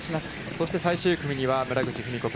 そして最終組には村口史子